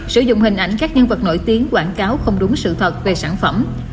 sử dụng hình ảnh các nhân vật nổi tiếng quảng cáo không đúng sự thật về sản phẩm